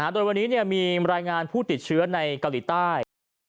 ตอนนี้เนี่ยมีรายงานผู้ติดเชื้อในเกาหลีใต้